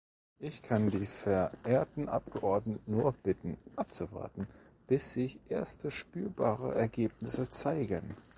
Ich kann die verehrten Abgeordneten nur bitten, abzuwarten, bis sich erste spürbare Ergebnisse zeigen.